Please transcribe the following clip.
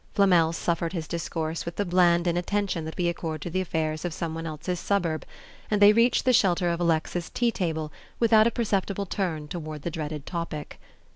Flamel suffered his discourse with the bland inattention that we accord to the affairs of someone else's suburb, and they reached the shelter of Alexa's tea table without a perceptible turn toward the dreaded topic.